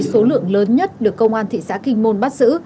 số lượng lớn nhất được công an thị xã kinh môn bắt giữ